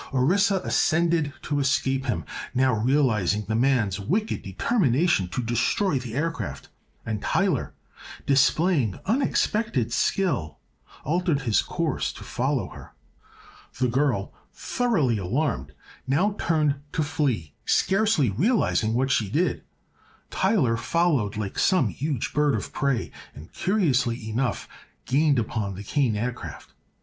Orissa ascended to escape him, now realizing the man's wicked determination to destroy the aircraft, and Tyler, displaying unexpected skill, altered his course to follow her. The girl, thoroughly alarmed, now turned to flee, scarcely realizing what she did. Tyler followed like some huge bird of prey and, curiously enough, gained upon the Kane Aircraft.